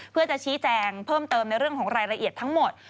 เพื่อจะชี้แจงเพิ่มเติมในเรื่องของรายละเอียดทั้งหมด